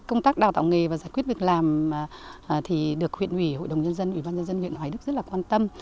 công tác đào tạo nghề và giải quyết việc làm được huyện huyện hoài đức rất quan tâm